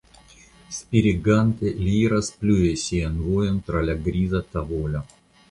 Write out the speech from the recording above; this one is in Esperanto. Spiregante li iras plue sian vojon tra la griza tavolo.